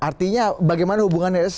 artinya bagaimana hubungannya